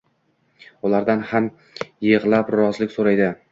Ulardan ham yig`lab rozilik so`raydi